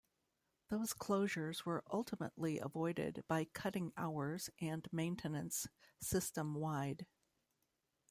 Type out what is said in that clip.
Those closures were ultimately avoided by cutting hours and maintenance system-wide.